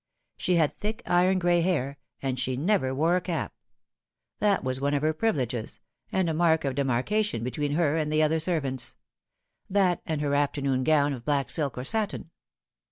She had thick iron gray hair, and she never wore a cap ; that was one of her privileges, and a mark of demar cation between her and the other servants that and her afternoon gown of black silk or satin.